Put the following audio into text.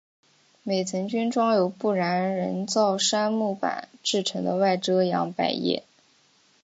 每层均装有不燃人造杉木板制成的外遮阳百叶。